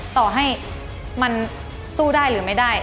ต่อให้มันสู้ได้หรือไม่ได้